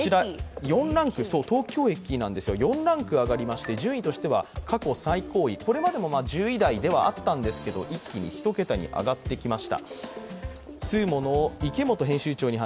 東京駅ですが４ランク上がりまして順位としては過去最高位、これまでも１０位台ではあったんですけれども、一気に上がってきました。